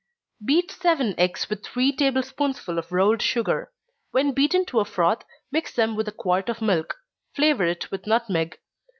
_ Beat seven eggs with three table spoonsful of rolled sugar. When beaten to a froth, mix them with a quart of milk flavor it with nutmeg.